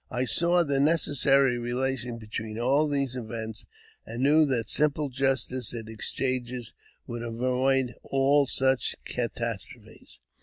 I saw the necessary relation between all these events, an> knew that simple justice in exchanges would avoid all such catastrophes.